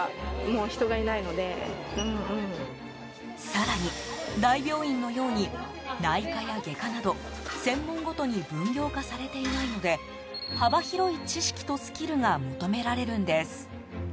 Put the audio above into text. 更に、大病院のように内科や外科など専門ごとに分業化されていないので幅広い知識とスキルが求められるんです。